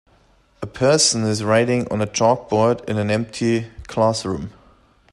A person is writing on a chalkboard in a empty classroom.